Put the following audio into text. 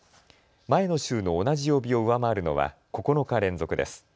前の週の同じ曜日を上回るのは９日連続です。